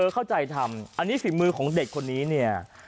เข้าใจทำอันนี้ฝีมือของเด็กคนนี้เนี่ย